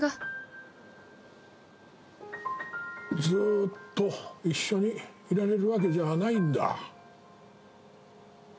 ずっと一緒にいられるわけじゃないんだ。